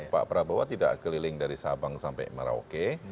pak prabowo tidak keliling dari sabang sampai merauke